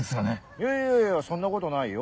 いやいやいやそんなことないよ。